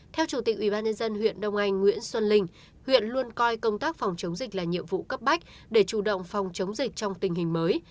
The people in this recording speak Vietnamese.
theo chủ tịch ubnd huyện đông anh nguyễn xuân linh huyện luôn coi công tác phòng chống dịch là nhiệm vụ cấp bách để chủ động phòng chống dịch trong tình hình mới